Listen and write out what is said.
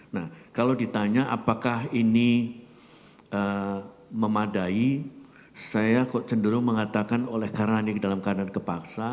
nah kalau ditanya apakah ini memadai saya kok cenderung mengatakan oleh karena ini dalam keadaan kepaksa